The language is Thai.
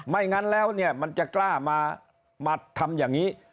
งั้นแล้วเนี่ยมันจะกล้ามาทำอย่างนี้